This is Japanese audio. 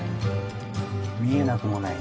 見えなくもない。